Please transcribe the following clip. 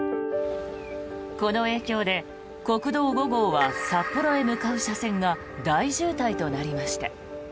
この影響で国道５号は札幌へ向かう車線が大渋滞となりました。